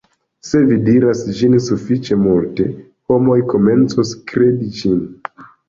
se vi diras ĝin sufiĉe multe, homoj komencos kredi ĝin